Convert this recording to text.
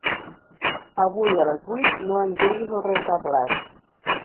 Avui a les vuit no engeguis el rentaplats.